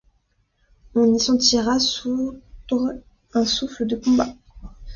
On y sentira sourdre un souffle de combat